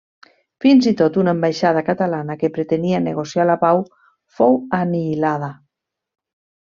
Fins i tot, una ambaixada catalana que pretenia negociar la pau fou anihilada.